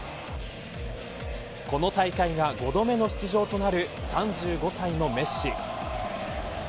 この大会が５度目の出場となる３５歳のメッシ。